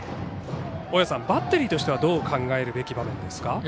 大矢さんバッテリーとしてはどう考えるべき場面ですか？